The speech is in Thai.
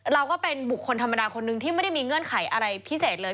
เราก็เป็นบุคคลธรรมดาคนนึงที่ไม่ได้มีเงื่อนไขอะไรพิเศษเลย